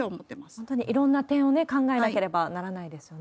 本当にいろんな点をね、考えなければならないですよね。